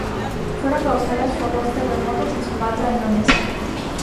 Fueron causados por dos terremotos en Sumatra, Indonesia.